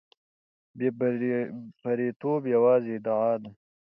بې پرېتوب یوازې ادعا ده.